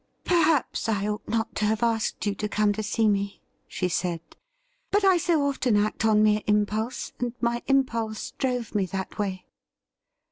' Perhaps I ought not to have asked you to come to see me,' she said, 'but I so often act on mere impulse — and my impulse drove me that way.'